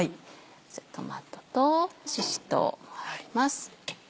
トマトとしし唐入れます。